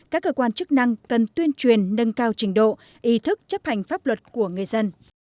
các cơ quan chức năng cần tuyên truyền nâng cao trình độ ý thức chấp hành pháp luật của người dân